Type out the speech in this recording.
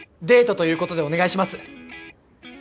デートということでお願いします！